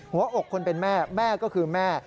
หัวอกคนเป็นแม่แม่ก็คือแม่